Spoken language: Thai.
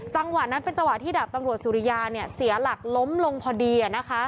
จังหวะนั้นเป็นจังหวะที่ดาบตำรวจสุริยาเสียหลักล้มลงพอดี